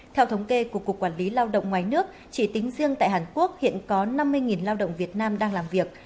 theo thống kê của cục quản lý lao động ngoài nước chỉ tính riêng tại hàn quốc hiện có năm mươi lao động việt nam đang làm việc